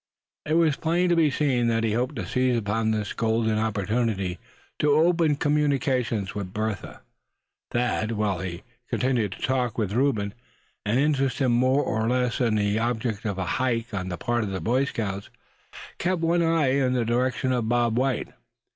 It was plain to be seen that he hoped to seize upon this golden opportunity to open communications with Bertha. Thad, while he continued to talk with Reuben, and interest him more or less in the object of a hike on the part of Boy Scouts, kept one eye in the direction of Bob White.